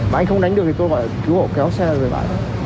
mà anh không đánh được thì tôi gọi chú hộ kéo xe lên bàn